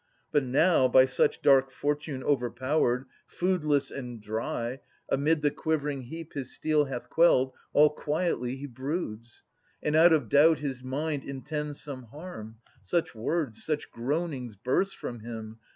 But now, by such dark fortune overpowered, 324 355] Aias 65 Foodless and dry, amid the quivering heap His steel hath quelled, all quietly he broods; And out of doubt his mind intends some harm : Such words, such groanings, burst from him.